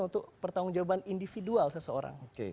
untuk pertanggung jawaban individual seseorang